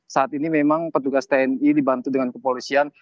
saat ini memang petugas tni dibantu dengan kepolisian